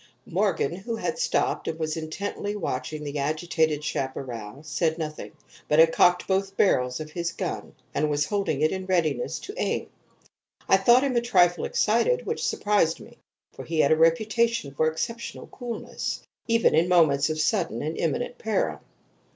"Morgan, who had stopped and was intently watching the agitated chaparral, said nothing, but had cocked both barrels of his gun, and was holding it in readiness to aim. I thought him a trifle excited, which surprised me, for he had a reputation for exceptional coolness, even in moments of sudden and imminent peril.